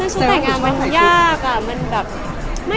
ชุดแต่งงานมันยากอ่ะ